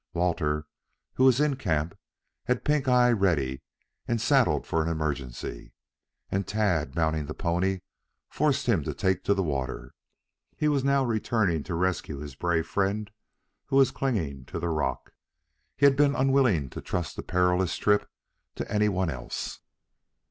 Walter, who was in camp had Pink eye ready and saddled for an emergency, and Tad mounting the pony, forced him to take to the water. He was now returning to rescue his brave friend, who was clinging to the rock. He had been unwilling to trust the perilous trip to anyone else.